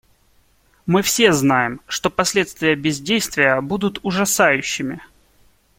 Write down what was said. Мы все знаем, что последствия бездействия будут ужасающими.